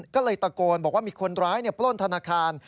ก็เลยตะโกนบอกว่ามีคนร้ายปล้นธนาคาร